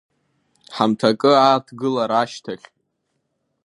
Ҳамҭакы ааҭгылара ашьҭахь.